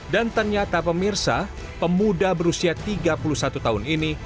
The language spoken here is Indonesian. dan ternyata pemirsa pemuda berusia tiga puluh satu tahun ini